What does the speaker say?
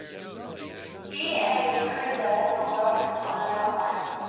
He and Krizan worked on an outline.